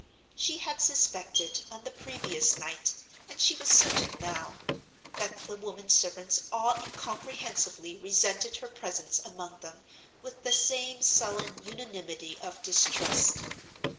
She had suspected, on the previous night, and she was certain now, that the women servants all incomprehensibly resented her presence among them with the same sullen unanimity of distrust.